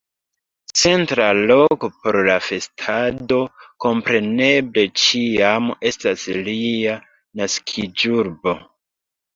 Centra loko por la festado kompreneble ĉiam estas lia naskiĝurbo.